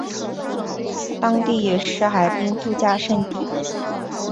当地也是海滨度假胜地。